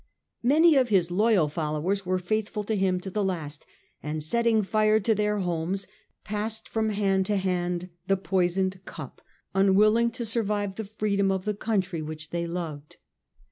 Many of his loyal followers were faithful to him to the last, and setting fire to their homes passed from hand to hand the poisoned cup, unwilling to survive the freedom of the country which they loved.